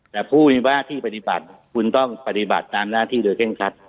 แต่ผู้มีว่าที่ปฏิบัติคุณต้องปฏิบัติตามหน้าที่โดยเร่งคัด